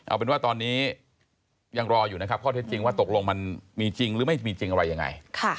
เอาเป็นว่าตอนนี้ยังรออยู่นะครับข้อเท็จจริงว่าตกลงมันมีจริงหรือไม่มีจริงอะไรยังไง